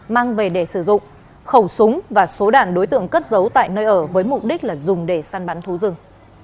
mang về để sử dụng khẩu súng và số đạn đối tượng cất giấu tại nơi ở với mục đích là dùng để săn bắn thú rừng